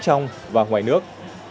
trong và ngoài nước